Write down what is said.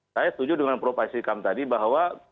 saya setuju dengan prof ikam tadi bahwa